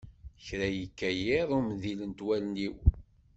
kra yekka yiḍ, ur mdilent wallen-iw.